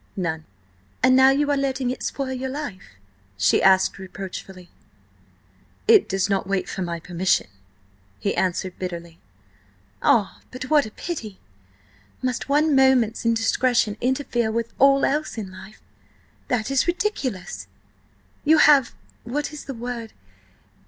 "None." "And now you are letting it spoil your life?" she asked reproachfully. "It does not wait for my permission," he answered bitterly. "Ah, but what a pity! Must one moment's indiscretion interfere with all else in life? That is ridiculous. You have–what is the word?